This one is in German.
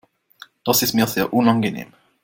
Das ist mir sehr unangenehm.